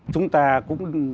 chúng ta cũng